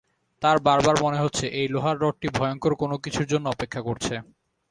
তাঁর বারবার মনে হচ্ছে, এই লোহার রডটি ভয়ঙ্কর কোনোকিছুর জন্যে অপেক্ষা করছে।